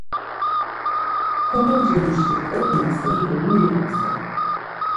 Komocimuşik ognasen do mu ivasen?